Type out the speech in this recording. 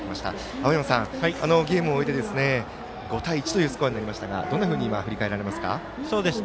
青山さん、あのゲームを終えて５対１というスコアになりましたがどんなふうに振り返られますか？